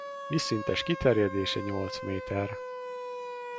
Vízszintes kiterjedése nyolc méter.